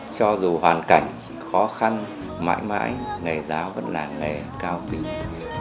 cho dù hoàn cảnh khó khăn mãi mãi người giáo vẫn là người cao tỉnh